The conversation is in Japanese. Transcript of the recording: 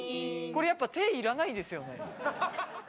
これ、やっぱ手いらないですよね？